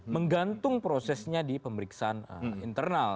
menggantung prosesnya di pemeriksaan internal